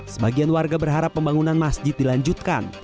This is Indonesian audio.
sebagian warga berharap pembangunan masjid dilanjutkan